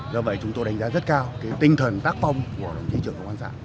do vậy chúng tôi đánh giá rất cao cái tinh thần tác phong của đồng chí trưởng công an xã